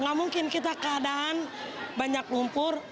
gak mungkin kita keadaan banyak lumpur